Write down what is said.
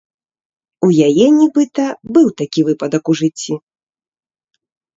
У яе, нібыта, быў такі выпадак у жыцці.